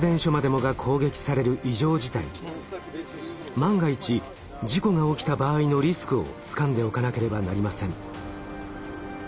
万が一事故が起きた場合のリスクをつかんでおかなければなりません。